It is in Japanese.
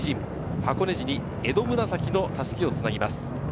箱根路に江戸紫の襷をつなぎます。